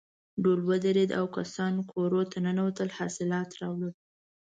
ډول ودرېد او کسان کورونو ته ننوتل حاصلات راوړل.